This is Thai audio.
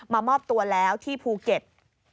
มามอบตัวแล้วที่ภูเก็ต